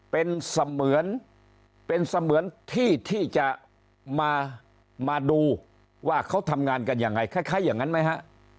เป็นเสมือนเป็นเสมือนที่ที่จะมาดูว่าเขาทำงานกันยังไงคล้ายอย่างนั้นไหมฮะ